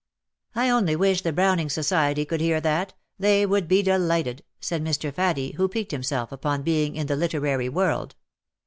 " I only wish the Browning Society could hear that : they would be delighted," said Mr. Faddie, who piqued himself upon being in the literary world.